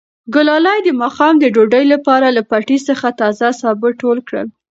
ګلالۍ د ماښام د ډوډۍ لپاره له پټي څخه تازه سابه ټول کړل.